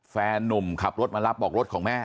แฟนนุ่มขับรถมารับบอกรถของแม่